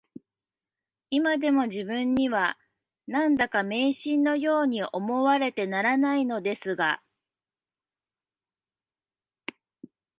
いまでも自分には、何だか迷信のように思われてならないのですが